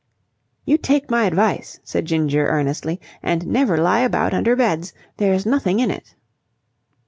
"You take my tip," said Ginger, earnestly, "and never lie about under beds. There's nothing in it."